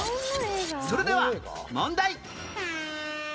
それでは問題